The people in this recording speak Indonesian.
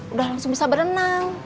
udah langsung bisa berenang